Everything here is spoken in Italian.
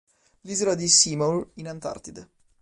L'isola di Seymour in Antartide.